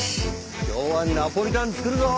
今日はナポリタン作るぞー！